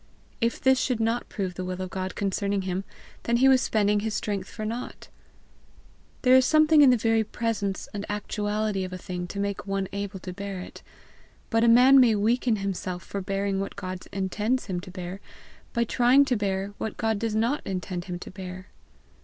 If this should not prove the will of God concerning him, then he was spending his strength for nought. There is something in the very presence and actuality of a thing to make one able to bear it; but a man may weaken himself for bearing what God intends him to bear, by trying to bear what God does not intend him to bear.